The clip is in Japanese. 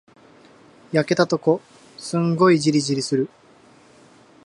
焼けたとこ、すんごいじりじりする。